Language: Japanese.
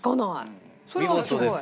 それはすごい。